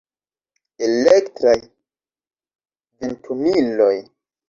Elektraj ventumiloj.